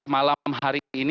malam hari ini